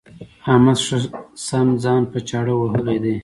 احمد ښه سم ځان په چاړه وهلی دی.